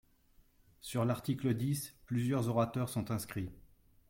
Sur l’article dix, plusieurs orateurs sont inscrits.